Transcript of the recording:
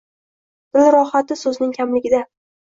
Dil rohati so‘zning kamligida.